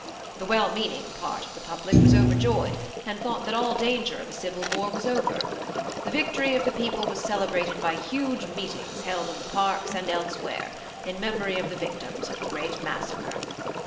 The well meaning part of the public was overjoyed, and thought that all danger of a civil war was over. The victory of the people was celebrated by huge meetings held in the parks and elsewhere, in memory of the victims of the great massacre.